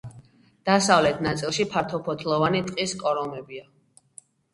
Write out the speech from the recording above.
დასავლეთ ნაწილში ფართოფოთლოვანი ტყის კორომებია.